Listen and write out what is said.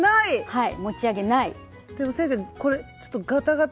はい。